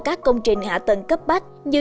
các công trình hạ tầng cấp bách như